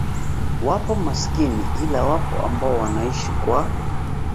wapo masikini ila wapo ambao wanaishi kwa